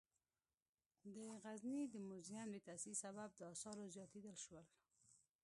د غزني د موزیم د تاسیس سبب د آثارو زیاتیدل شول.